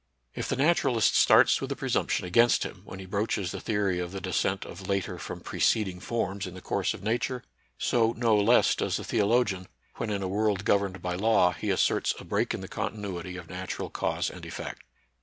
If the naturalist starts with the presumption against him when he broaches the theory of the descent of later from preceding forms in the course of Nature, so no less does the theologian when in a world governed by law he asserts a break in the continuity of natural cause and effect.